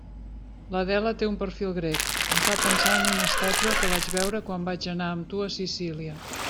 L'Adela té un perfil grec, em fa pensar en una estàtua que vaig veure quan vaig anar amb tu a Sicília.